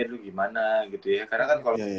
itu gimana gitu ya karena kan